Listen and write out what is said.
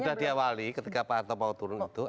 sudah diawali ketika pak harto mau turun itu